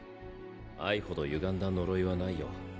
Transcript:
愛ほどゆがんだ呪いはないよ。